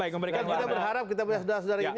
kita berharap kita punya saudara saudara ini